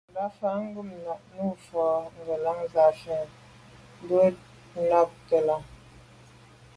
Rǎfàá’ ngômnâ’ nû fâ’ tɔ̌ ngə̀lâŋ fǎ zə̄ bū jâ nàptə́ lá.